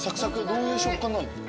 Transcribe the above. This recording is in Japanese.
どういう食感なの？